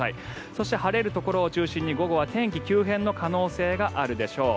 そして晴れるところを中心に午後は天気急変の可能性があるでしょう。